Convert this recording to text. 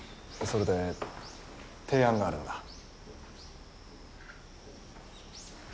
それで提案があるんだ。